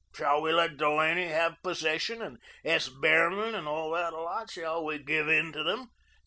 Shall we let Delaney have possession, and S. Behrman, and all that lot? Shall we give in to them?"